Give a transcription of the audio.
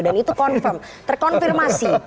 dan itu confirm terkonfirmasi